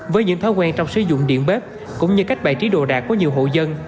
với những thói quen trong sử dụng điện bếp cũng như cách bày trí đồ đạc của nhiều hộ dân